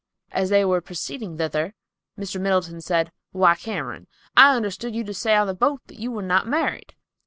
As they were proceeding thither, Mr. Middleton said, "Why, Cameron, I understood you to say on the boat that you were not married."